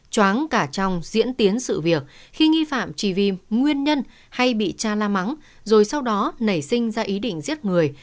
chóng cả trong diễn tiến sự việc khi nghi phạm trì viêm nguyên nhân hay bị cha la mắng rồi sau đó nảy sinh ra ý định giết người